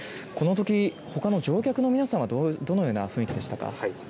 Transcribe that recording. このとき、ほかの乗客の皆さんはどのような雰囲気でしたか。